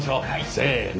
せの。